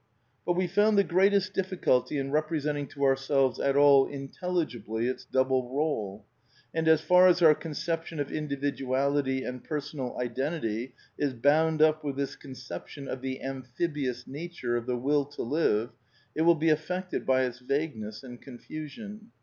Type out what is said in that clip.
But we found the greatest diflSculty in representing to ourselves at all intelligibly its double role. And as far as our conception of Individuality and Personal Identity is bound up with this conception of the amphibious nature of the Will to live it will be affected by its vagueness and confusion.